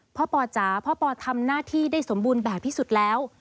ปอจ๋าพ่อปอทำหน้าที่ได้สมบูรณ์แบบที่สุดแล้ว